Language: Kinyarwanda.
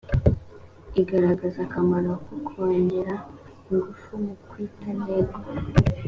igaragaza akamaro ko kongera ingufu mu kwita ntego